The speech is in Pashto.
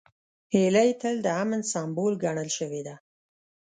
هیلۍ تل د امن سمبول ګڼل شوې ده